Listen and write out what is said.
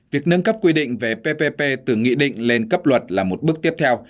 việc nâng cấp quy định về ppp từ nghị định lên cấp luật là một bước tiếp theo